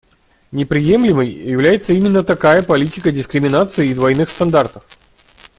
Неприемлемой является именно такая политика дискриминации и двойных стандартов.